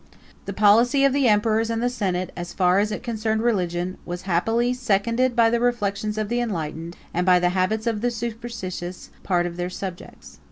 The policy of the emperors and the senate, as far as it concerned religion, was happily seconded by the reflections of the enlightened, and by the habits of the superstitious, part of their subjects.